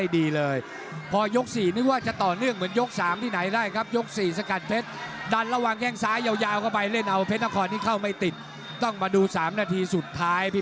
เดินเข้าหายกสุดท้ายครับเพชรนคร์ดูว่าแก้ตัวได้